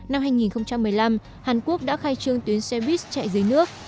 năm hai nghìn một mươi năm hàn quốc đã khai trương tuyến xe buýt chạy dưới nước